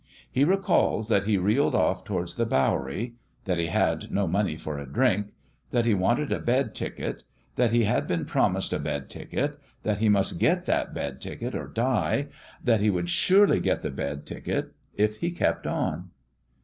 He recalls that he reeled off towards the Bowery that he had no money for a drink that he wanted a bed ticket that he had been promised a bed ticket that he must get that bed ticket or die that he would surely get the bed ticket if he kept on.